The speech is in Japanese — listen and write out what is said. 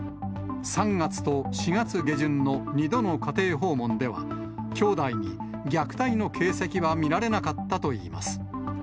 ３月と４月下旬の２度の家庭訪問では、兄弟に虐待の形跡は見られなかったといいます。